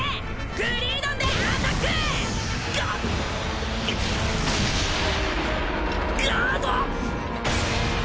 グリードンでアタック！ガ！ガード！